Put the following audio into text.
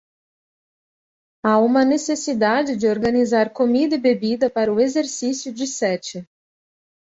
Há uma necessidade de organizar comida e bebida para o exercício de sete.